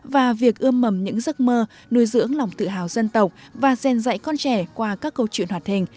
và việc ươm mầm những giấc mơ nuôi dưỡng lòng tự hào dân tộc và rèn dạy con trẻ qua các câu chuyện hoạt hình